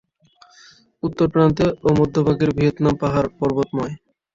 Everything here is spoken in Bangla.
উত্তর প্রান্তে ও মধ্যভাগের ভিয়েতনাম পাহাড়-পর্বতময়।